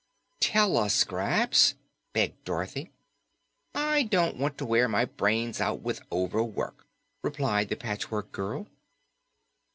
"Tell us, Scraps!" begged Dorothy. "I don't want to wear my brains out with overwork," replied the Patchwork Girl.